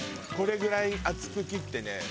これぐらい厚く切ってね